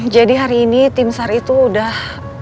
jadi hari ini tim sar itu udah